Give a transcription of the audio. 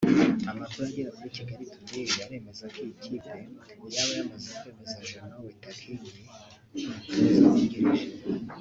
Amakuru agera kuri Kigali Today aremeza ko iyi kipe yaba yamaze kwemeza Jeannot Witakenge nk’umutoza wungirije